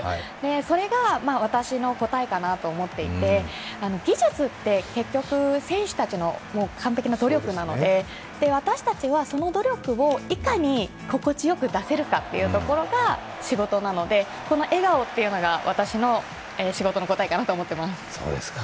それが私の答えかなと思っていて技術って結局、選手たちの完璧な努力なので私たちはその努力をいかに心地よく出せるかというところが仕事なのでこの笑顔というのが私の仕事の答えかなと思ってます。